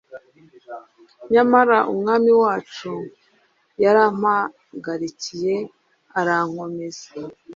Nyamara Umwami wacu yarampagarikiye, arankomeza,